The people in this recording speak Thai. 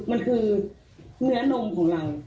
มันคือเนื้อนมของเรา